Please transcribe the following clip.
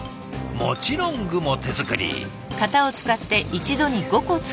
もちろん具も手作り。